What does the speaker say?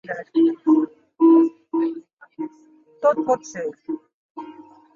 Tot pot ser.